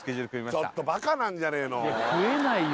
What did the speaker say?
ちょっとバカなんじゃねえの食えないよ